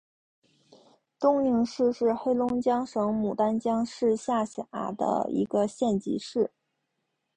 东宁市是黑龙江省牡丹江市下辖的一个县级市。